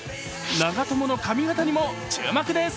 長友の髪型にも注目です。